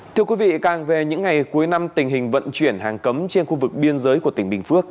thưa quý vị càng về những ngày cuối năm tình hình vận chuyển hàng cấm trên khu vực biên giới của tỉnh bình phước